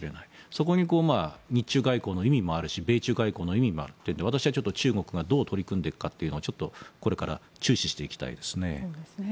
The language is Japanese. そこに日中外交の意味もあるし米中外交の意味もあるので中国がどう取り組んでいくかをこれから注視していきたいですね。